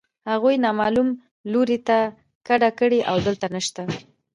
هغوی نامعلوم لوري ته کډه کړې او دلته نشته